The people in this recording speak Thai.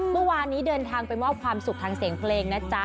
เมื่อวานนี้เดินทางไปมอบความสุขทางเสียงเพลงนะจ๊ะ